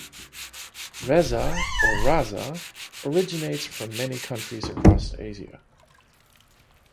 "Reza" or "Raza" originates from many countries across Asia.